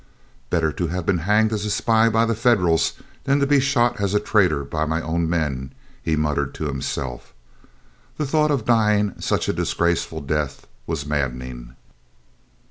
"Better to have been hanged as a spy by the Federals than to be shot as a traitor by my own men," he muttered to himself. The thought of dying such a disgraceful death was maddening.